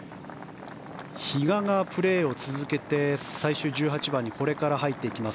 比嘉がプレーを続けて最終１８番にこれから入っていきます